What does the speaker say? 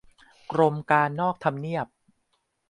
กรมการนอกทำเนียบ